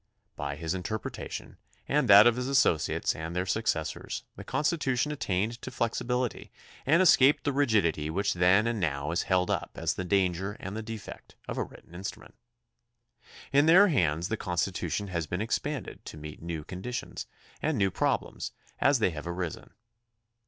By his interpre tation and that of his associates and their successors the Constitution attained to flexibility and escaped the rigidity which then and now is held up as the danger and the defect of a written instrument. In their hands the Constitution has been expanded to meet new conditions and new problems as they have arisen.